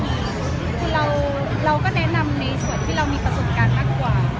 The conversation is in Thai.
คือเราก็แนะนำในส่วนที่เรามีประสบการณ์มากกว่า